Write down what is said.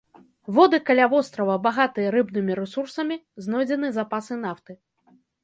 Воды каля вострава багатыя рыбнымі рэсурсамі, знойдзены запасы нафты.